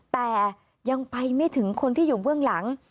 แต่ยังไปไม่ถึงคนที่อยู่เบื้องหลัง